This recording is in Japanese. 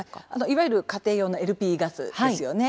いわゆる家庭用のＬＰガスですよね。